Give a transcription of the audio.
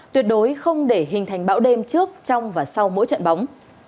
tuyệt đối không để hình thành bão đêm trước trong và sau mỗi trận bóng